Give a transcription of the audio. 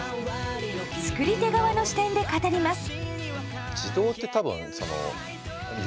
作り手側の視点で語ります。